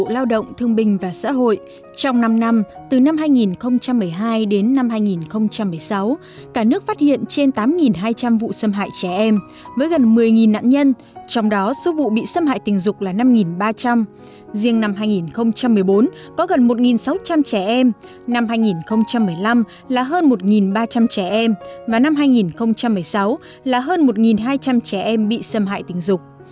là hơn một hai trăm linh trẻ em bị xâm hại tình dục